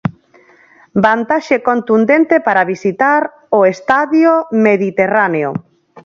Vantaxe contundente para visitar o Estadio Mediterráneo.